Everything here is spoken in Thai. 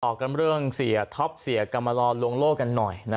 ออกกันเรื่องเสียท็อปเสียกรรมลอลลวงโลกกันหน่อย